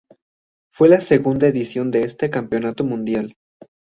Fue la segunda edición de este campeonato mundial.